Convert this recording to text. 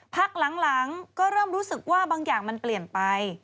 พักหลังก็เริ่มรู้สึกว่าบางอย่างมันเปลี่ยนไป